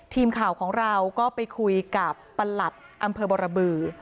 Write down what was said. ทีมข่าวของเราก็ไปคุยกับประหลัดอำเภอบรบือ